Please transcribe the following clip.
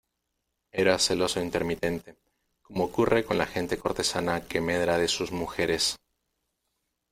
era celoso intermitente, como ocurre con la gente cortesana que medra de sus mujeres.